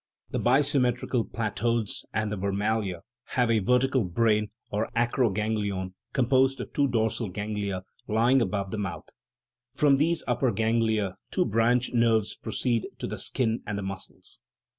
The bi symmetrical platodes and the vermalia have a vertical brain, or acroganglion, composed of two dorsal ganglia, lying above the mouth; from these "upper ganglia" two branch nerves proceed to the skin and the muscles.